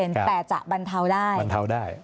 แต่จะบรรเทาได้